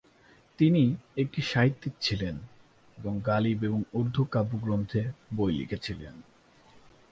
তিনি একটি সাহিত্যিক ছিলেন এবং গালিব এবং উর্দু কাব্যগ্রন্থে বই লিখেছিলেন।